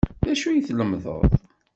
D acu ay tlemmdeḍ?